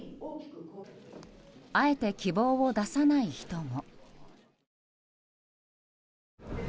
あえて希望を出さない人も。